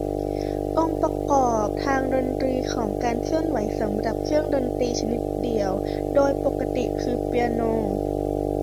องค์ประกอบทางดนตรีของการเคลื่อนไหวสำหรับเครื่องดนตรีชนิดเดี่ยว โดยปกติคือเปียโน